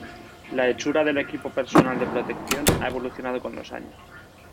La hechura del equipo personal de protección ha evolucionado con los años.